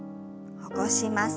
起こします。